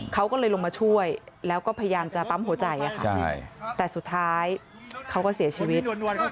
เขาก็เลยลงมาช่วยแล้วก็พยายามจะปั๊มหัวใจแต่สุดท้ายเขาก็เสียชีวิต